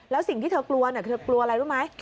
แล้วสิ่งที่เธอกลัวเธอกลัวอะไรรู้ไหม